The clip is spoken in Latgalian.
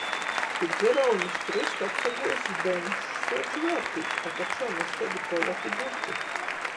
Pi dzeraunis krysta apsaguozs beņčs. Suoču vērtīs, apakšā nazkaidi poļaku burti.